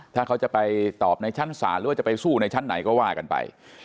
ถ้าเขาจะไปตอบในชั้นศาลหรือว่าจะไปสู้ในชั้นไหนก็ว่ากันไป